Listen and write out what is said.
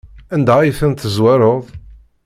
Anda ay tent-tezwareḍ?